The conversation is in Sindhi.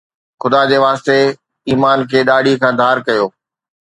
خدا جي واسطي، ايمان کي ڏاڙهي کان ڌار ڪيو